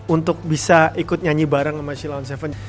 untuk bisa ikut nyanyi bareng sama silon tujuh